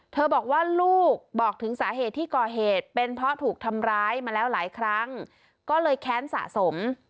บอกว่าลูกบอกถึงสาเหตุที่ก่อเหตุเป็นเพราะถูกทำร้ายมาแล้วหลายครั้งก็เลยแค้นสะสม